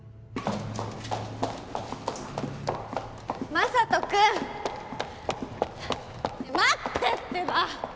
眞人君！ねえ待ってってば！